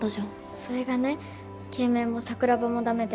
それがね慶明も桜庭も駄目で。